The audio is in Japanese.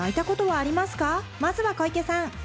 まずは小池さん。